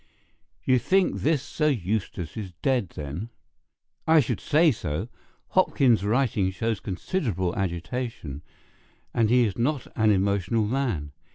"You think this Sir Eustace is dead, then?" "I should say so. Hopkins's writing shows considerable agitation, and he is not an emotional man.